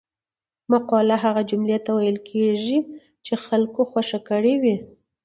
مقوله هغه جملې ته ویل کیږي چې خلکو خوښه کړې وي